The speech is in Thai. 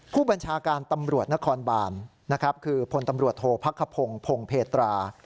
ผู้บัญชาการตำรวจนครบาลคือพลตำรวจโทษภักครพงศ์พงศ์เพตรา